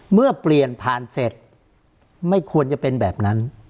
เมื่อเปลี่ยนผ่านเสร็จไม่ควรจะเป็นแบบนั้น